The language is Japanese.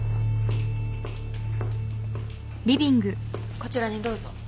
こちらにどうぞ。